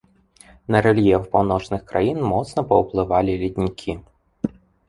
На рэльеф паўночных краін моцна паўплывалі леднікі.